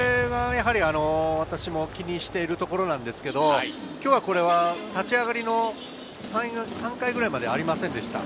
私も気にしているところなんですけれど、今日は立ち上がりの３回ぐらいまでありませんでした。